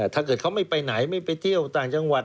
ถ้าเกิดเขาไม่ไปไหนไม่ไปเที่ยวต่างจังหวัด